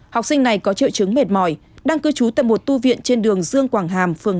học sinh này có triệu chứng mệt mỏi đang cư trú tại một tu viện trên đường dương quảng hàm phường tám